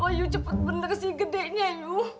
oh yu cepet bener sih gedenya yu